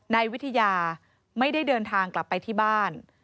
นายวิทยาไม่ได้เดินทางกลับไปที่บ้าน